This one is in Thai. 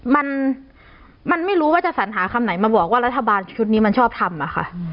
มันมันไม่รู้ว่าจะสัญหาคำไหนมาบอกว่ารัฐบาลชุดนี้มันชอบทำอะค่ะ